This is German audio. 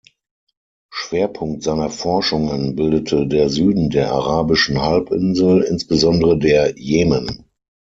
Schwerpunkt seiner Forschungen bildete der Süden der arabischen Halbinsel, insbesondere der Jemen.